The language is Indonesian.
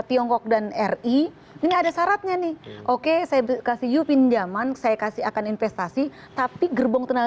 ini ada syaratnya nih oke saya kasih you pinjaman saya kasih akan investasi tapi gerbong tenaga